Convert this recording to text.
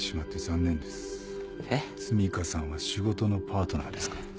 澄香さんは仕事のパートナーですか？